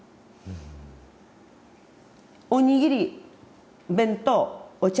お握り弁当お茶